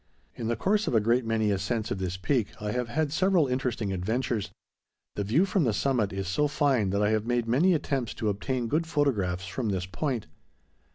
In the course of a great many ascents of this peak I have had several interesting adventures. The view from the summit is so fine that I have made many attempts to obtain good photographs from this point.